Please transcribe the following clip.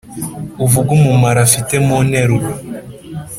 uvuge umumaro afite mu nteruro